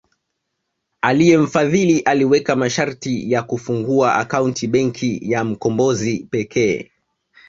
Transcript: Aliyemfadhili aliweka masharti ya kufungua akaunti Benki ya Mkombozi pekee